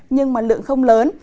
nhưng mà lượng không lớn